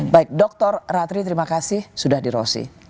baik dr ratri terima kasih sudah di rosi